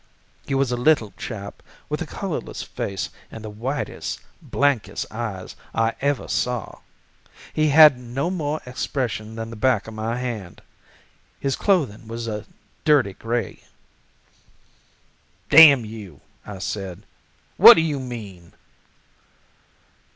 He was a little chap, with a colorless face and the whitest, blankest eyes I ever saw. He had no more expression than the back of my hand. His clothing was a dirty gray. "'Damn you!' I said; 'what do you mean?